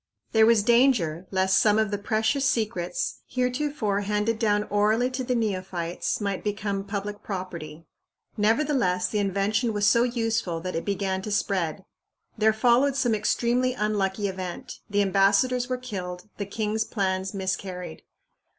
There was danger lest some of the precious secrets, heretofore handed down orally to the neophytes, might become public property. Nevertheless, the invention was so useful that it began to spread. There followed some extremely unlucky event the ambassadors were killed, the king's plans miscarried.